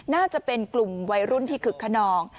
น่าจะเป็นกลุ่มวัยรุ่นที่คึกขนอง